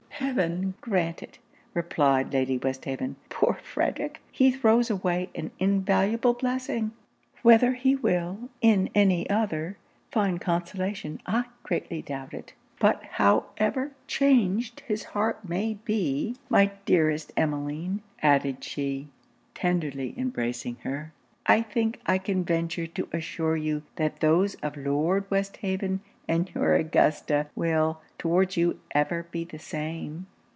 'Heaven grant it!' replied Lady Westhaven. 'Poor Frederic! he throws away an invaluable blessing! Whether he will, in any other, find consolation, I greatly doubt. But however changed his heart may be, my dearest Emmeline,' added she, tenderly embracing her, 'I think I can venture to assure you that those of Lord Westhaven and your Augusta, will, towards you, ever be the same.'